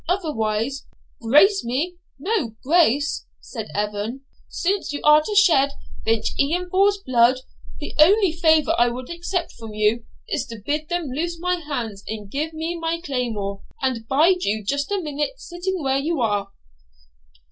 Otherwise ' 'Grace me no grace,' said Evan; 'since you are to shed Vich Ian Vohr's blood, the only favour I would accept from you is to bid them loose my hands and gie me my claymore, and bide you just a minute sitting where you are!'